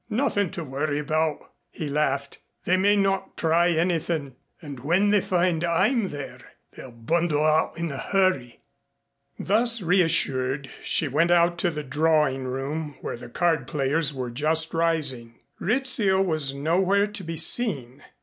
"Nothin' to worry about," he laughed. "They may not try anythin', and when they find I'm there they'll bundle out in a hurry." Thus reassured she went out to the drawing room where the card players were just rising. Rizzio was nowhere to be seen.